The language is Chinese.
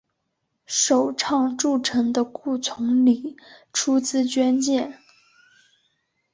首倡筑城的顾从礼出资捐建。